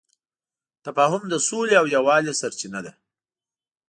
تفاهم د سولې او یووالي سرچینه ده.